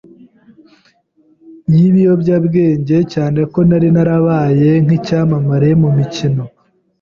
y’ibiyobyabwenge cyane ko nari narabaye n’icyamamare mu mukino